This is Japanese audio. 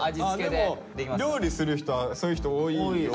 でも料理する人はそういう人多いよ。